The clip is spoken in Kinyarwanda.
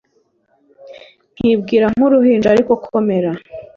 nkibwira nk uruhinja ariko komera